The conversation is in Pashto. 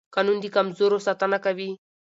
قانون د کمزورو ساتنه کوي